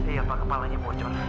iya pak kepalanya bocor